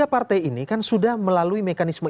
tiga partai ini kan sudah melalui mekanisme